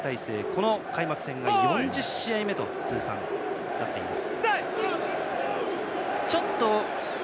この開幕戦が４０試合目となっています。